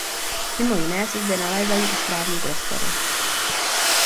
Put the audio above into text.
Mimo jiné se zde nalézají i správní prostory.